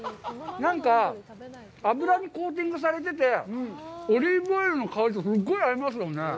なんか、油にコーティングされてて、オリーブオイルの香りとすっごい合いますよね。